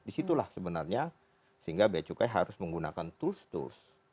disitulah sebenarnya sehingga bea cukai harus menggunakan tools tools